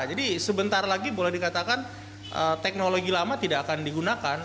jadi sebentar lagi boleh dikatakan teknologi lama tidak akan digunakan